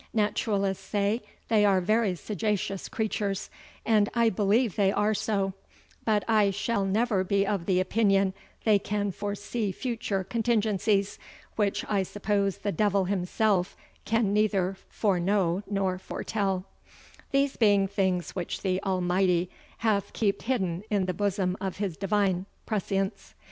Naturalists say they are very sagacious creatures, and I beleeve they are so; bot I shall never be of the opinion they can forsee future contingencies, which I suppose the divell himselfe can neither forknow nor fortell; these being things which the Almightie hath keepd hidden in the bosome of his divine prescience.